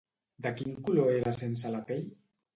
De quin color era sense la pell?